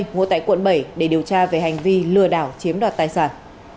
ngụ tại quận bảy để điều tra về hành vi lừa đảo chiếm đoạt tài sản